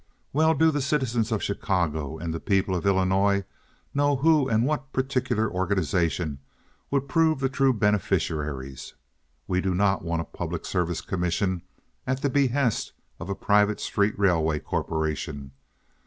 Well do the citizens of Chicago and the people of Illinois know who and what particular organization would prove the true beneficiaries. We do not want a public service commission at the behest of a private street railway corporation.